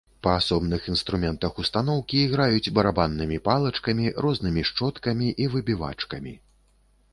Па асобных інструментах устаноўкі іграюць барабаннымі палачкамі, рознымі шчоткамі і выбівачкамі.